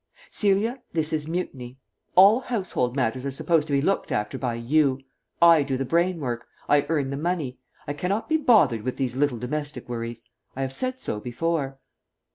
"Celia, this is mutiny. All household matters are supposed to be looked after by you. I do the brain work; I earn the money; I cannot be bothered with these little domestic worries. I have said so before."